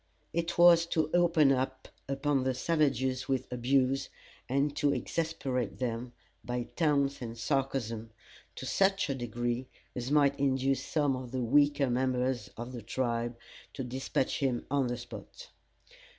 It was to open upon the savages with abuse, and to exasperate them, by taunts and sarcasm, to such a degree as might induce some of the weaker members of the tribe to dispatch him on the spot.